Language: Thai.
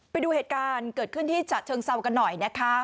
ไปดูเหตุการณ์เกิดขึ้นที่ฉะเชิงเซากันหน่อยนะคะ